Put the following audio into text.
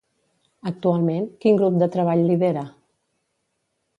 Actualment, quin grup de treball lidera?